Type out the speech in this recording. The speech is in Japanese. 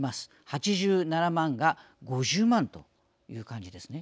８７万が５０万という感じですね。